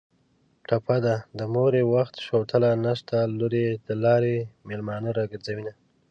ټپه ده: د مور یې وخت شوتله نشته لور یې د لارې مېلمانه راګرځوینه